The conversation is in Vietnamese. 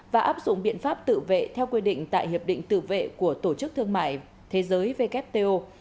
và áp dụng biện pháp tự vệ theo quy định tại hiệp định tự vệ của tổ chức thương mại thế giới wto